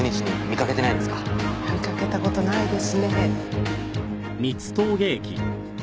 見かけた事ないですね。